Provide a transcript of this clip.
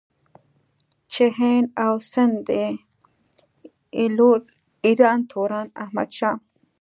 چې هند او سندھ ئې ايلول ايران توران احمد شاه